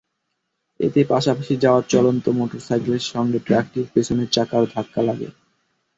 এতে পাশাপাশি যাওয়া চলন্ত মোটরসাইকেলের সঙ্গে ট্রাকটির পেছনের চাকার ধাক্কা লাগে।